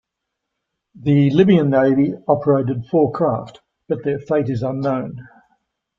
The Libyan Navy operated four craft but their fate is unknown.